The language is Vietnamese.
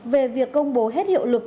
về việc công bố hết hiệu lực